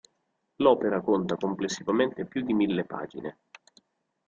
L'opera conta complessivamente più di mille pagine.